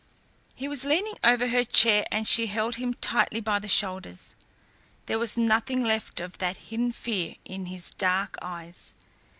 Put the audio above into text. He was leaning over her chair and she held him tightly by the shoulders. There was nothing left of that hidden fear in his dark eyes.